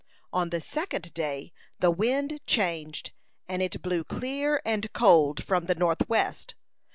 On the second day the wind changed, and it blew clear and cold from the north west.